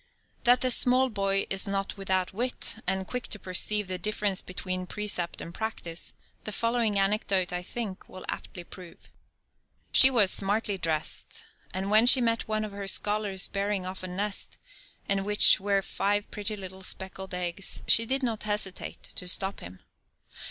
That the small boy is not without wit, and quick to perceive the difference between precept and practice, the following anecdote, I think, will aptly prove: She was smartly dressed, and when she met one of her scholars bearing off a nest in which were five pretty little speckled eggs, she did not hesitate to stop him.